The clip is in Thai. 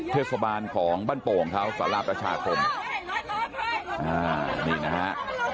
เทศบาลของบ้านโป่งเขาสาราประชาคมอ่านี่นะฮะ